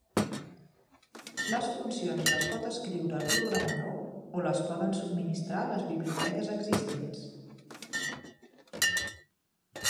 Les funcions les pot escriure el programador o les poden subministrar les biblioteques existents.